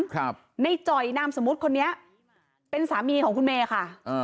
นายจอยนามสมมติคนนี้เป็นสามีของคุณเมย์ค่ะ